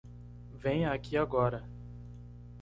Venha aqui agora.